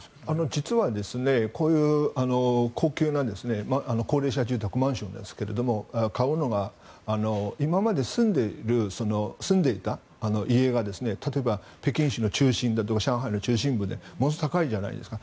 実はこういう高級な高齢者住宅、マンションですが買うのが今まで住んでいた家が例えば、北京市の中心だとか上海の中心部ってものすごい高いじゃないですか。